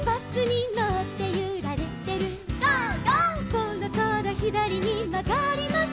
「そろそろひだりにまがります」